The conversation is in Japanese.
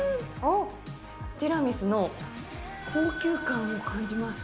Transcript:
ティラミスの高級感を感じます。